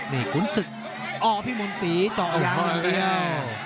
นี่ขุนศึกพี่หมนศรีเจาะอยางอยู่เดียว